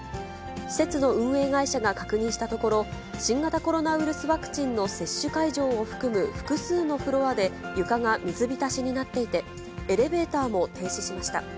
施設の運営会社が確認したところ、新型コロナウイルスワクチンの接種会場を含む複数のフロアで、床が水浸しになっていて、エレベーターも停止しました。